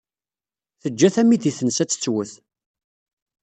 Teǧǧa tamidit-nnes ad tettwet.